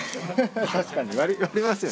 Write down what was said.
確かに割りますよね。